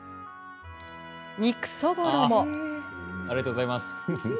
ありがとうございます。